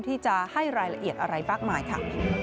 ที่จะให้รายละเอียดอะไรมากมายค่ะ